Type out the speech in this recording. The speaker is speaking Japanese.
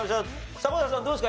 迫田さんどうですか？